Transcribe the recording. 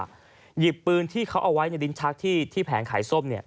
แต่พูดถึงว่าทุกสินที่เขาเอาไว้ในลิ้นชักที่แผงค่ายส้มเนี่ย